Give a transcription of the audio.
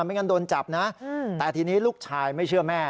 ไม่งั้นโดนจับนะแต่ทีนี้ลูกชายไม่เชื่อแม่